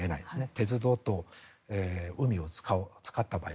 鉄道と海を使った場合。